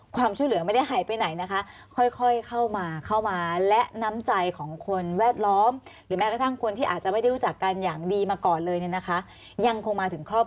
ความช่วยเหลือไม่ได้หายไปไหนนะคะค่อยเข้ามาและน้ำใจของคนแวดล้อม